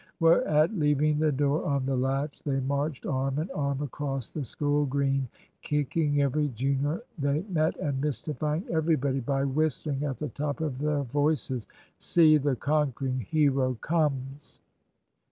Whereat, leaving the door on the latch, they marched arm in arm across the School Green kicking every junior they met, and mystifying everybody by whistling at the top of their voices, "See the conquering hero comes."